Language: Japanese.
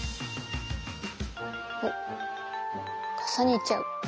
おっかさねちゃう。